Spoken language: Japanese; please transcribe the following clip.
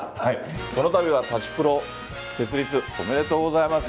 このたびは舘プロ設立おめでとうございます。